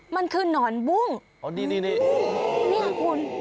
มันคือนอนบุ้งอ๋อนี่นี่คุณ